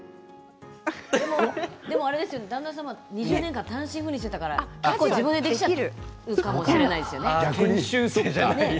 でも旦那様２０年間、単身赴任していたから結構、自分でできるかもしれないですよね。